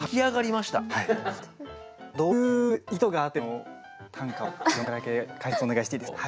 これはどういう意図があっての短歌を詠まれたのかだけ解説お願いしていいですか。